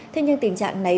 thế nhưng tình trạng này